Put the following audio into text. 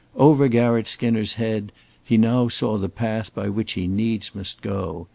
Over Garratt Skinner's head, he now saw the path by which he needs must go.